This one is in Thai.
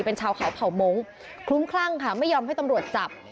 เป็นชาวเขาเผ่ามงค์คลุ้มคลั่งค่ะไม่ยอมให้ตำรวจจับ